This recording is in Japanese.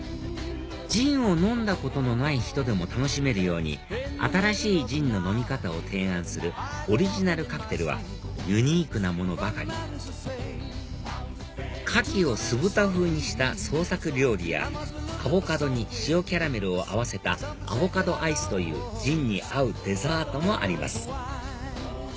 ジンを飲んだことのない人でも楽しめるように新しいジンの飲み方を提案するオリジナルカクテルはユニークなものばかりカキを酢豚風にした創作料理やアボカドに塩キャラメルを合わせたアボカドアイスというジンに合うデザートもあります